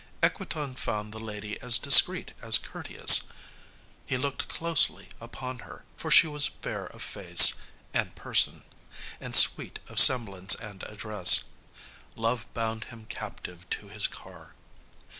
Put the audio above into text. Equitan found the lady as discreet as courteous. He looked closely upon her, for she was fair of face and person, and sweet of semblance and address. Love bound him captive to his car.